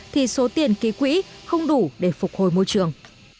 thì số tiền ký quỹ không đủ để phục hồi môi trường